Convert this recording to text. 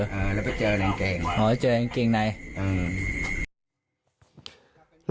อ่าแล้วไปเจอกางเกงอ๋อเจอกางเกงในอืม